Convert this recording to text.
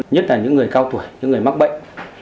nhất là những người cao tuổi những người mắc bệnh